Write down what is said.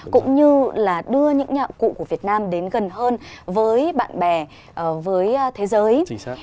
cũng như là đưa những nhạc cụ của việt nam đến gần hơn với bạn bè với thế giới